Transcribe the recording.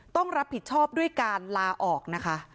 ต้องรับผิดชอบด้วยการลาออกนะคะ